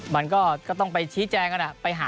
มันก็ต้องไปชี้แจก็ได้